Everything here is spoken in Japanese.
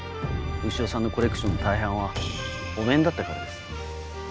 潮さんのコレクションの大半はお面だったからです。